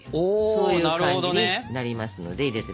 そういう感じになりますので入れてみます。